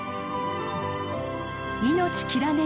命きらめく